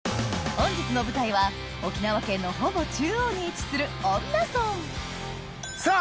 本日の舞台は沖縄県のほぼ中央に位置する恩納村さぁ